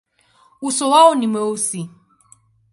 Uso wao ni mweusi.